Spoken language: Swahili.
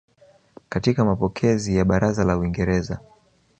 katika mapokezi ya Baraza la Uingereza